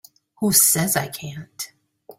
Who says I can't?